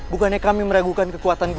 hebat dari samsung